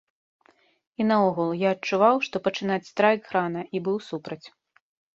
І наогул, я адчуваў, што пачынаць страйк рана і быў супраць.